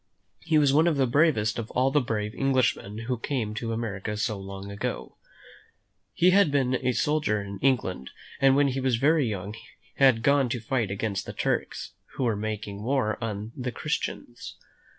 He was one of the bravest of all the brave English men who came to America so long ago. He had been a soldier in England, and when he was very young had gone to fight against the Turks, who were making war on the Christians.